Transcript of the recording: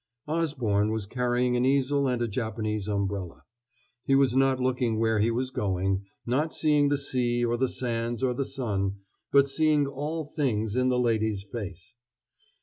Osborne was carrying an easel and a Japanese umbrella. He was not looking where he was going, not seeing the sea, or the sands, or the sun, but seeing all things in the lady's face.